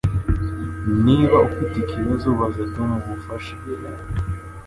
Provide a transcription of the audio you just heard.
Niba ufite ikibazo, baza Tom ubufasha.